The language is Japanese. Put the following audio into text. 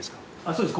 そうです